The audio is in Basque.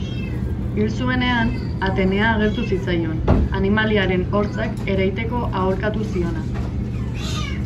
Hil zuenean, Atenea agertu zitzaion, animaliaren hortzak ereiteko aholkatu ziona.